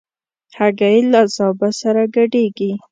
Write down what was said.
هګۍ له سابه سره ګډېږي.